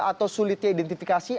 atau sulit diidentifikasi